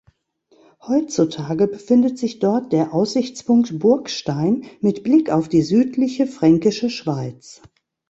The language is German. Heutzutage befindet sich dort der Aussichtspunkt „Burgstein“ mit Blick auf die südliche Fränkische Schweiz.